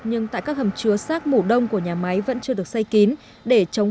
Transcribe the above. nhưng tất cả các hầm chứa sát mổ thừa là mương dẫn nước tại các hầm chứa mổ đông